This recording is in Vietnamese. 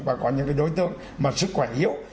và có những đối tượng mà sức khỏe yếu